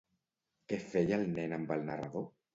Què feia el nen amb el narrador?